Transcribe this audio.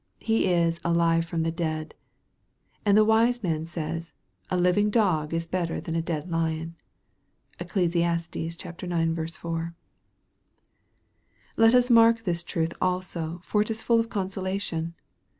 He is " alive from the dead." And the wise man says, " a living dog is better than a dead lion." (Eccles. ix. 4.) Let us mark this truth also, for it is full of consolation.